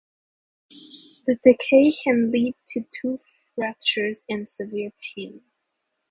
The decay can lead to tooth fractures and severe pain.